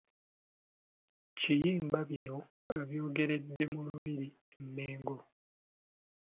Kiyimba bino abyogeredde mu Lubiri e Mmengo.